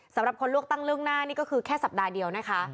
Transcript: สำหรับคนเลือกตั้งล่วงหน้านี่ก็คือแค่สัปดาห์เดียวนะคะ